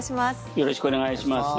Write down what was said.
よろしくお願いします。